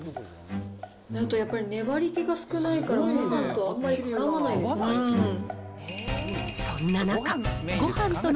あとやっぱり粘り気が少ないから、あんまりからまないですね